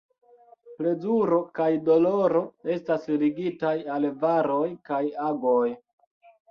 Plezuro kaj doloro estas ligitaj al varoj kaj agoj.